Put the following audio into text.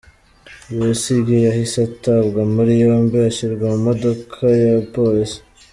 Besigye yahise atabwa muri yombi ashyirwa mu modoka ya polisi.